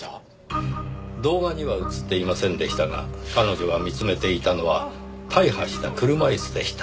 動画には映っていませんでしたが彼女が見つめていたのは大破した車椅子でした。